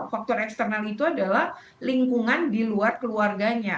faktor eksternal itu adalah lingkungan di luar keluarganya